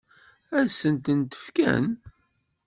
Ad sent-tent-fken?